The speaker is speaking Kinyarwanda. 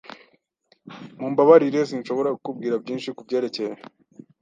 Mumbabarire sinshobora kukubwira byinshi kubyerekeye.